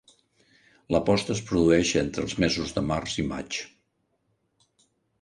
La posta es produeix entre els mesos de març i maig.